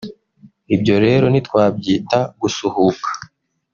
ibyo rero ntitwabyita gusuhuka